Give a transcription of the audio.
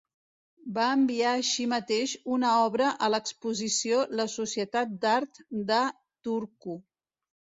Va enviar així mateix una obra a l'Exposició la Societat d'Art de Turku.